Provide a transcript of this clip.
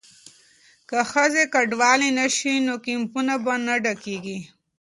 که ښځې کډوالې نه شي نو کیمپونه به نه ډکیږي.